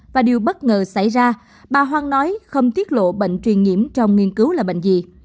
và điều bất ngờ xảy ra bà hoang nói không tiết lộ bệnh truyền nhiễm trong nghiên cứu là bệnh gì